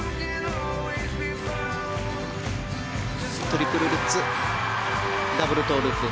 トリプルルッツダブルトウループ。